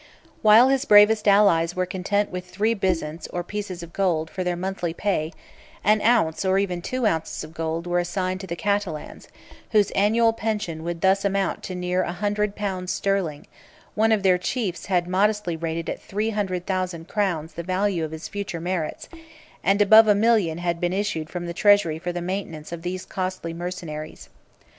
While his bravest allies were content with three byzants or pieces of gold, for their monthly pay, an ounce, or even two ounces, of gold were assigned to the Catalans, whose annual pension would thus amount to near a hundred pounds sterling: one of their chiefs had modestly rated at three hundred thousand crowns the value of his future merits; and above a million had been issued from the treasury for the maintenance of these costly mercenaries.